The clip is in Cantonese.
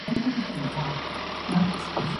獅子山精神